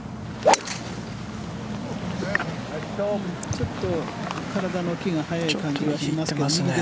ちょっと体の開きが早い感じがします。